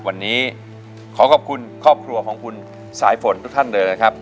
วันนี้ขอขอบคุณครอบครัวของคุณสายฝนทุกท่านเลยนะครับ